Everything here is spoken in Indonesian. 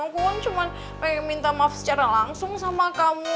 aku kan cuma pengen minta maaf secara langsung sama kamu